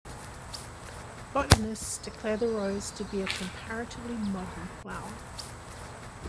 Botanists declare the rose to be a comparatively modern flower.